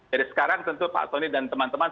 dari sekarang tentu pak soni dan teman teman